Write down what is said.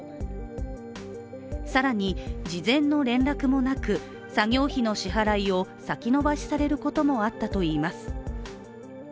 更に事前の連絡もなく作業費の支払いを先延ばしされることもあったといいます。